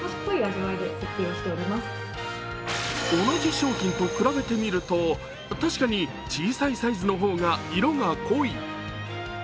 同じ商品と比べてみると確かに小さいサイズの方が色が濃い。